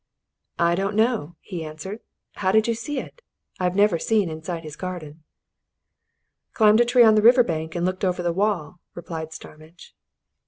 "I don't know!" he answered. "How did you see it? I've never seen inside his garden." "Climbed a tree on the river bank and looked over the wall," replied Starmidge.